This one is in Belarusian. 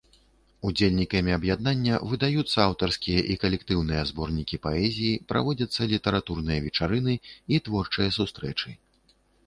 Удзельнікамі аб'яднання выдаюцца аўтарскія і калектыўныя зборнікі паэзіі, праводзяцца літаратурныя вечарыны і творчыя сустрэчы.